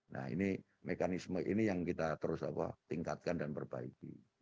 nah ini mekanisme ini yang kita terus tingkatkan dan perbaiki